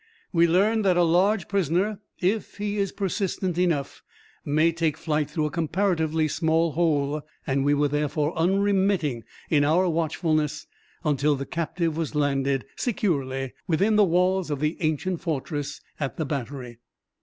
We learned that a large prisoner, if he is persistent enough, may take flight through a comparatively small hole, and we were therefore unremitting in our watchfulness until the captive was landed securely within the walls of the ancient fortress at the Battery.